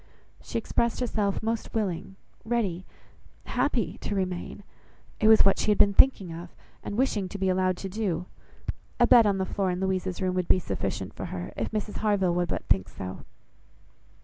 She expressed herself most willing, ready, happy to remain. "It was what she had been thinking of, and wishing to be allowed to do. A bed on the floor in Louisa's room would be sufficient for her, if Mrs Harville would but think so."